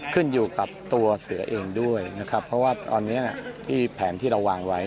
ขึ้นอยู่กับตัวเสือเองด้วยนะครับเพราะว่าตอนนี้ที่แผนที่เราวางไว้